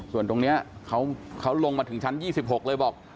ส่วนตรงนี้เขาลงมาถึงชั้น๒๖เลยบอก